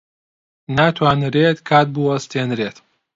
ناتوانرێت کات بوەستێنرێت.